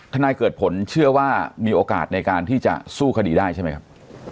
นายเกิดผลเชื่อว่ามีโอกาสในการที่จะสู้คดีได้ใช่ไหมครับ